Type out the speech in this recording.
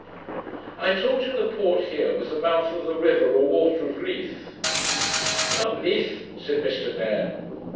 ] I told him the port here was the mouth of the river or water of Leith. 'Not LETHE,' said Mr Nairne.